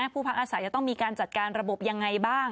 ผู้พักอาศัยจะต้องมีการจัดการระบบยังไงบ้าง